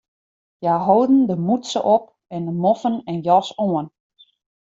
Hja holden de mûtse op en de moffen en jas oan.